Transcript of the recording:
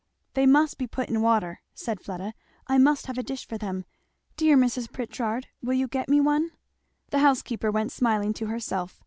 "They must be put in water," said Fleda, "I must have a dish for them Dear Mrs. Pritchard, will you get me one?" The housekeeper went smiling to herself.